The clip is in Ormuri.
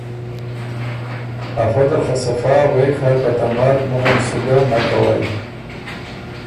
افۀ دل خه صفا سا غوېک هۀ که ته مرګ مُخم سُو ګۀ نک کوئ۔